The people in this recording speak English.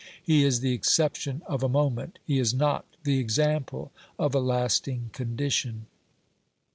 He is the exception of a moment; he is not the example of a lasting condition.